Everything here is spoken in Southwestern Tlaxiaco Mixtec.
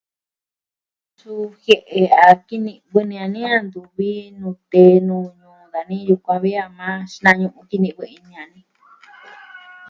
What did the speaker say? Tyu jie'e a kini'vɨ ni a ni a ntu vi nute nuu ñuu dani yukuan vi a maa xinañu'u kini'vɨ ini a ni.